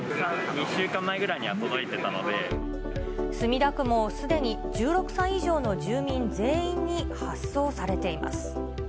２週間前ぐらいには、墨田区も、すでに１６歳以上の住民全員に発送されています。